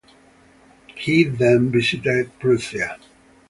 He then visited Prussia.